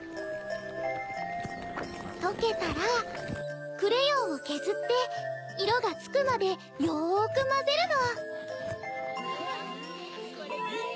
とけたらクレヨンをけずっていろがつくまでよくまぜるの。